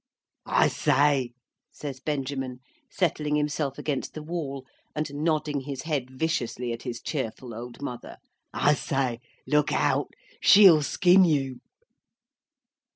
"I say!" says Benjamin, settling himself against the wall and nodding his head viciously at his cheerful old mother. "I say! Look out. She'll skin you!"